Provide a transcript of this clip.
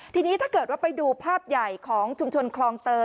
ทีนี้ถ้าเกิดว่าไปดูภาพใหญ่ของชุมชนคลองเตย